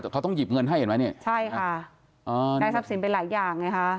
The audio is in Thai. แต่เขาต้องหยิบเงินให้เห็นไหมนี่ใช่ค่ะอ๋อได้ทรัพย์สินไปหลายอย่างไงคะ